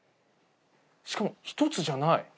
しかも１つじゃない。